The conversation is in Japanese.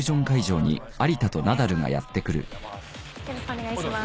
お願いしまーす。